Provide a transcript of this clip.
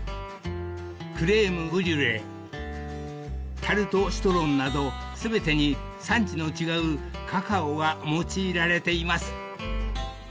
［クレームブリュレタルトシトロンなど全てに産地の違うカカオが用いられています］